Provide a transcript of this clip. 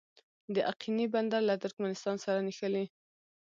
د اقینې بندر له ترکمنستان سره نښلي